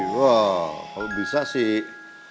wah kalau bisa sih